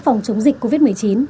phòng chống dịch covid một mươi chín